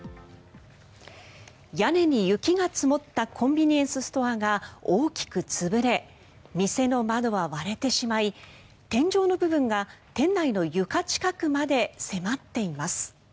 屋根に雪が積もったコンビニエンスストアが大きく潰れ店の窓は割れてしまい天井の部分が店内の床近くまで迫っています。